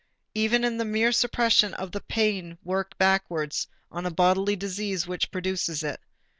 Even the mere suppression of the pain works backwards on the bodily disease which produces it.